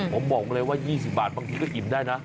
ผมบอกเลยว่า๒๐บาทบางทีก็อิ่มได้นะ